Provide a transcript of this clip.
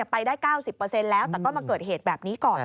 ไปได้๙๐แล้วแต่ก็มาเกิดเหตุแบบนี้ก่อน